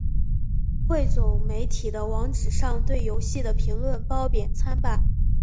汇总媒体的网址上对游戏的评论褒贬参半。